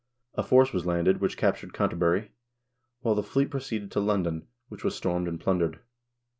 1 A force was landed, which captured Canterbury, while the fleet proceeded to London, which was stormed and plundered.